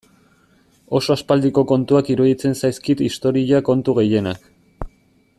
Oso aspaldiko kontuak iruditzen zaizkit historia kontu gehienak.